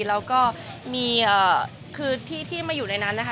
แล้วก็มีคือที่มาอยู่ในนั้นนะคะ